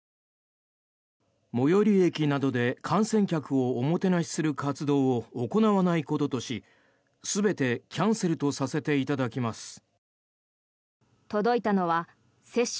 最寄り駅などで観戦客をおもてなしする活動を行わないこととし全てキャンセルとさせていただきます。